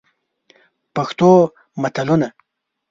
پښتو متلونه: